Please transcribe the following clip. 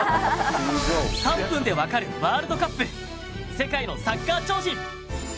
３分でわかるワールドカップ世界のサッカー超人！